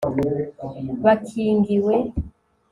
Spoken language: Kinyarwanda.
bakingiwe